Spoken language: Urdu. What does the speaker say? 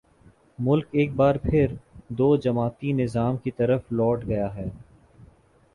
ملک ایک بار پھر دو جماعتی نظام کی طرف لوٹ گیا ہے۔